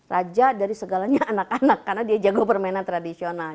raja dari segalanya anak anak karena dia jago permainan tradisional